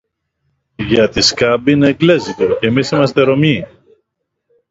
Γιατί Σκαμπ είναι εγγλέζικο, κι εμείς είμαστε Ρωμιοί